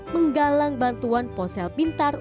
menggalang bantuan ponsel pintar